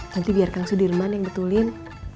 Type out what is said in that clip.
nanti biarkan sudirman yang betulin